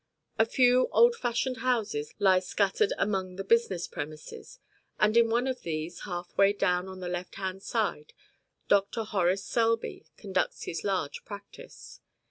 A few old fashioned houses lie scattered among the business premises, and in one of these, half way down on the left hand side, Dr. Horace Selby conducts his large practice.